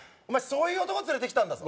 そういう男連れてきたんだぞ